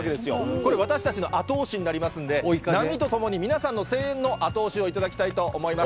これ、私たちの後押しになりますんで、波とともに、皆さんの声援の後押しをいただきたいと思います。